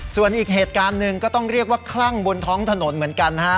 ส่วนอีกเหตุการณ์หนึ่งก็ต้องเรียกว่าคลั่งบนท้องถนนเหมือนกันนะฮะ